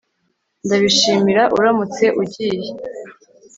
Ndabishima uramutse ugiye